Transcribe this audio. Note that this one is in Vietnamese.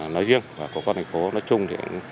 nói riêng của các thành phố nói chung